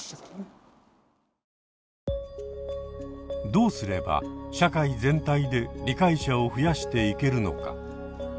どうすれば社会全体で理解者を増やしていけるのか。